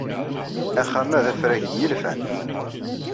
Axxam-a d afrag n yilfan.